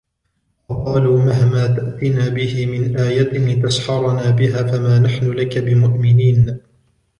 وقالوا مهما تأتنا به من آية لتسحرنا بها فما نحن لك بمؤمنين